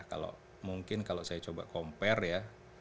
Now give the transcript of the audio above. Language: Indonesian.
kalau mungkin kalau saya coba compare ya